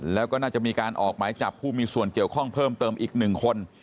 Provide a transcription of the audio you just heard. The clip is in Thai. แล้วก็น่าจะมีการออกหมายจับผู้มีส่วนเกี่ยวข้องเพิ่มเติมอีก๑คน